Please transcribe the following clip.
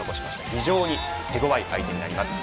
非常に手ごわい相手になります。